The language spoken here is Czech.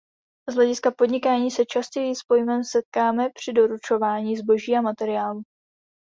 Z hlediska podnikání se nejčastěji s pojmem setkáme při doručování zboží a materiálu.